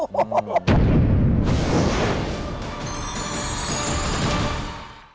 สวัสดีครับ